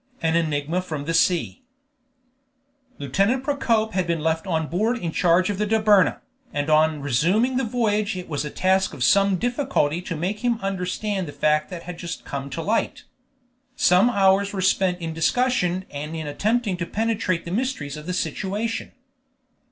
AN ENIGMA FROM THE SEA Lieutenant Procope had been left on board in charge of the Dobryna, and on resuming the voyage it was a task of some difficulty to make him understand the fact that had just come to light. Some hours were spent in discussion and in attempting to penetrate the mysteries of the situation.